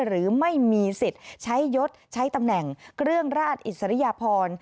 หรือไม่มีสิทธิ์ใช้ยศใช้ตำแหน่งเครื่องราชอิสริยพร